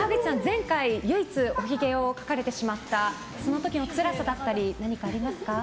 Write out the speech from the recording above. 前回、唯一おひげを描かれてしまったその時のつらさだったり何かありますか？